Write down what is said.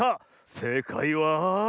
せいかいは？